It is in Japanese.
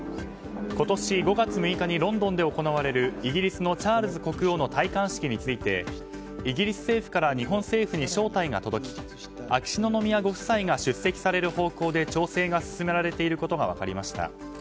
今年５月６日にロンドンで行われるイギリスのチャールズ国王の戴冠式についてイギリス政府から日本政府に招待が届き秋篠宮ご夫妻が出席される方向で調整が進められていることが分かりました。